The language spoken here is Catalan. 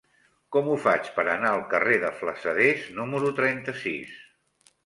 Com ho faig per anar al carrer de Flassaders número trenta-sis?